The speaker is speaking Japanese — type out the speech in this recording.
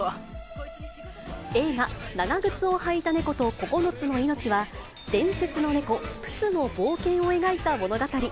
映画、長ぐつをはいたネコと９つの命は、伝説の猫、プスの冒険を描いた物語。